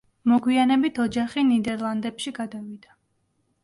მოგვიანებით ოჯახი ნიდერლანდებში გადავიდა.